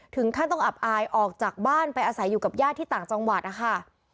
ถึงขั้นต้องอับอายออกจากบ้านไปอาศัยอยู่กับญาติที่ต่างจังหวัดนะคะ